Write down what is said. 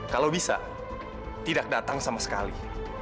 kalau bisa tidak datang sama sekali